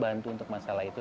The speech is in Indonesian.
tidak tentu untuk masalah itu